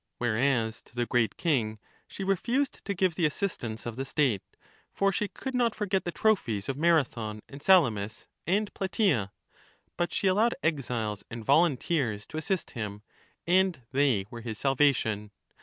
Whereas, to the great king she refused to give the assistance of the state, for she could not forget the trophies of Marathon and Salamis and Plataea ; but she allowed exiles and volunteers to assist him, and they were his salvation.